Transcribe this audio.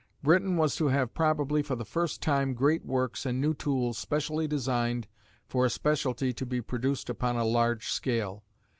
Britain was to have probably for the first time great works and new tools specially designed for a specialty to be produced upon a large scale.